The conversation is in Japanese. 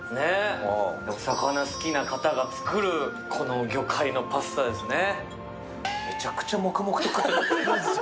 魚好きな方が作る、この魚介のパスタですね。